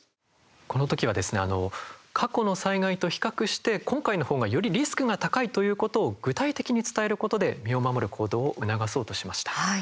この時はですね過去の災害と比較して今回の方がよりリスクが高いということを具体的に伝えることで身を守る行動を促そうとしました。